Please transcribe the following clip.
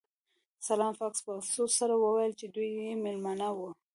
سلای فاکس په افسوس سره وویل چې دوی مې میلمانه وو